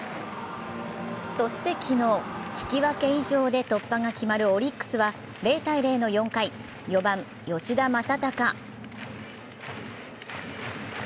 そして昨日、引き分け以上で突破が決まるオリックスは０−０の４回、４番・吉田正尚。